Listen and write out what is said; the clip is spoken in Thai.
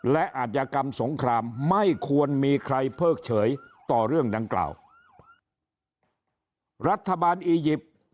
และอาจากรรมสงครามไม่ควรมีใครเพิ่งเฉยต่อเรื่องดังกลาง